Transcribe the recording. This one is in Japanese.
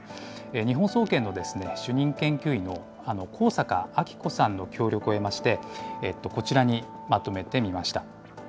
日本総研の主任研究員の高坂晶子さんの協力を得まして、こちらにまとめてみました。